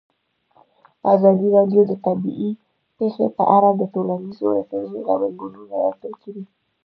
ازادي راډیو د طبیعي پېښې په اړه د ټولنیزو رسنیو غبرګونونه راټول کړي.